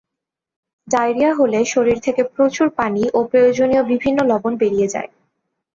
Diarrhoea হলে শরীর থেকে প্রচুর পানি ও প্রয়োজনীয় বিভিন্ন লবণ বেরিয়ে যায়।